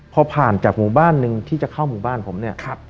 พอผ่านจากหมู่บ้านหนึ่งที่จะเข้าหมู่บ้านผมเนี่ย